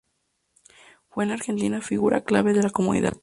Fue en la Argentina figura clave de la comicidad.